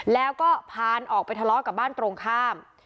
แล้วก็พานออกไปทะเลาะกับบ้านตรงข้าม